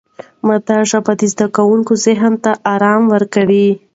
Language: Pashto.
مادي ژبه د زده کوونکي ذهن ته آرام ورکوي.